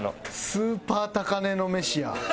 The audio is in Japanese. スーパー高値の飯や。